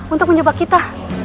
untuk menjebak kita